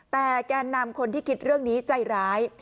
แต่แกนนำคนที่คิดเรื่องนี้ใจร้าย